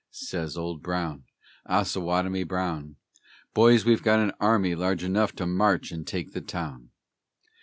Says Old Brown, Osawatomie Brown, "Boys, we've got an army large enough to march and take the town!